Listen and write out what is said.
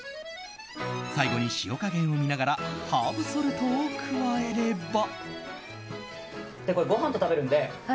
最後に、塩加減を見ながらハーブソルトを加えれば。